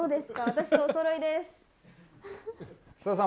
私とおそろいです。